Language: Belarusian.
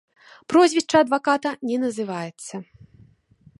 Прозвішча адваката не называецца.